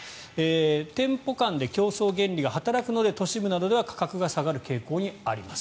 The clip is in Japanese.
店舗間で競争原理が働くので都市部などでは価格が下がる傾向にあります。